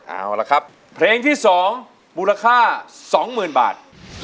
เอาละครับเพลงที่๒มูลค่า๒๐๐๐บาท